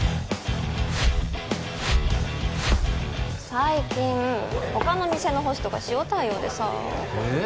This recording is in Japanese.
最近他の店のホストが塩対応でさえっ？